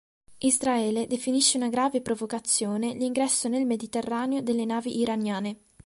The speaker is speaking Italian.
Israele definisce una "grave provocazione" l'ingresso nel mediterraneo delle navi iraniane.